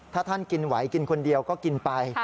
ถ้าท่านกินไหวกินคนเดียวก็กินไป